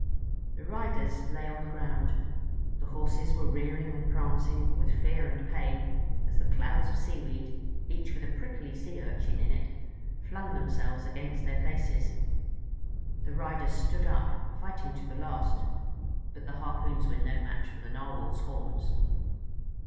The riders lay on the ground. The horses were rearing and prancing with fear and pain as the clouds of seaweed, each with a prickly Sea Urchin in it, flung themselves against their faces. The riders stood up, fighting to the last; but the harpoons were no match for the Narwhal's horns.